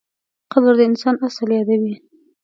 قبر د انسان اصل یادوي.